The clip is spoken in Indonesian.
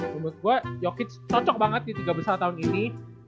menurut gue jokit cocok banget di tiga besar tahun ini